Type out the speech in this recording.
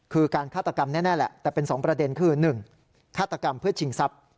คือการฆาตกรรมแน่แหละแต่เป็น๒ประเด็นคือ๑ฆาตกรรมเพื่อชิงทรัพย์